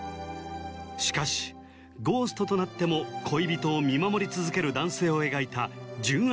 しかしゴーストとなっても恋人を見守り続ける男性を描いた純愛